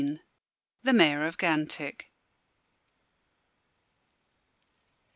THE MAYOR OF GANTICK.